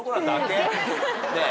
ねえ。